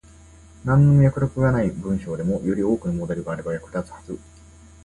なんの脈絡がない文章でも、より多くのモデルがあれば役立つはず。